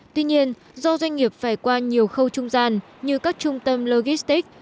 tuy nhiên do doanh nghiệp phải qua nhiều khâu trung gian như các trung tâm logistic